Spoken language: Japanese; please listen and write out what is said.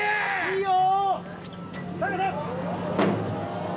いいよ！